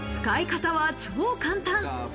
使い方は超簡単。